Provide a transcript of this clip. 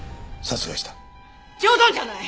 冗談じゃない！